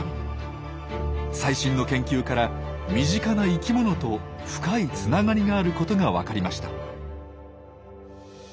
最新の研究から身近な生きものと深いつながりがあることがわかりました。